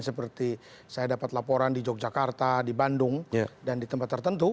seperti saya dapat laporan di yogyakarta di bandung dan di tempat tertentu